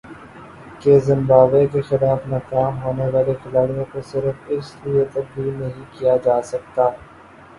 کہ زمبابوے کے خلاف ناکام ہونے والے کھلاڑیوں کو صرف اس لیے تبدیل نہیں کیا جا سکتا